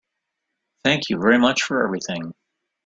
Thank you very much for everything.